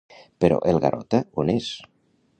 Però el Garota on és?